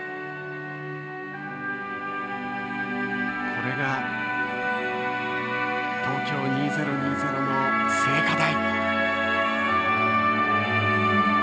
これが東京２０２０の聖火台。